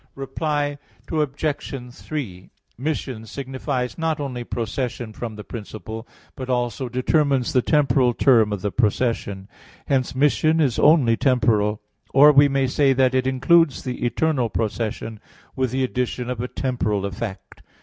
Reply Obj. 3: Mission signifies not only procession from the principle, but also determines the temporal term of the procession. Hence mission is only temporal. Or we may say that it includes the eternal procession, with the addition of a temporal effect.